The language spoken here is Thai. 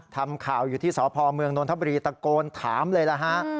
ทำข่าวอยู่ที่สพเมืองนทบุรีตะโกนถามเลยล่ะฮะ